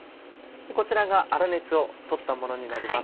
こちらが粗熱を取ったものになります。